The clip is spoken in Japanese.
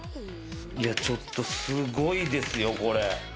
ちょっとすごいですよ、これ。